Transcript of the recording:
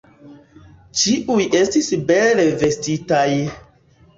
Ĉiuj estis bele vestitaj.